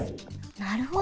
なるほど。